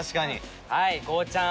はいゴーちゃん。